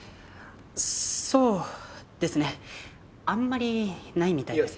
そうですねあんまりないみたいです。